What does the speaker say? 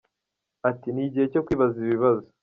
Ati” Ni igihe cyo kwibaza ibibazo.